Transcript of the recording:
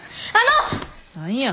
何や。